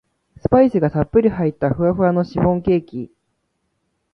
スパイスがたっぷり入ったふわふわのシフォンケーキ